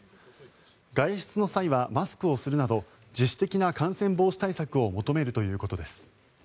外出の際はマスクをするなど自主的な感染防止対策を求めるということです。